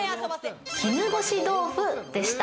絹ごし豆腐でした。